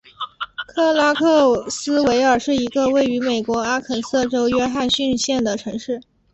克拉克斯维尔是一个位于美国阿肯色州约翰逊县的城市。